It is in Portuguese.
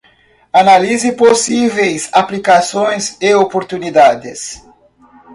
Analise possíveis aplicações e oportunidades